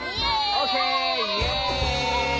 オーケーイエイ！